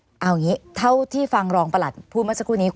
เอาอย่างนี้เท่าที่ฟังรองประหลัดพูดเมื่อสักครู่นี้